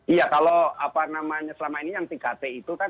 iya kalau apa namanya selama ini yang tiga t itu kan